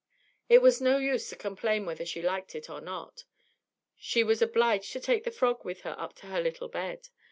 It was no use to complain whether she liked it or not; she was obliged to take the frog with her up to her little bed.